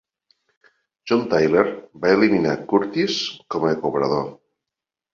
John Tyler va eliminar Curtis com a cobrador.